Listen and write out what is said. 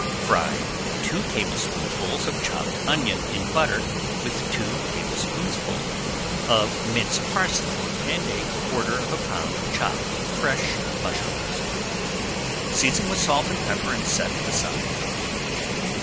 Fry two tablespoonfuls of chopped onion in butter with two tablespoonfuls of minced parsley and a quarter of a pound of chopped fresh mushrooms. Season with salt and pepper and set aside.